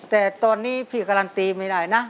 แต่ตอนนี้พี่การันตีไม่ได้นะ